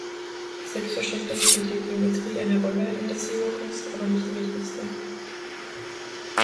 Selbstverständlich spielt die Geometrie eine Rolle in der Zero-Kunst, aber nicht die wichtigste.